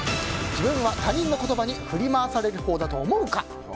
自分は他人の言葉に振り回されるほうだと思うか。